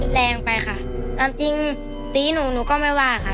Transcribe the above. แรงไปค่ะความจริงตีหนูหนูก็ไม่ว่าค่ะ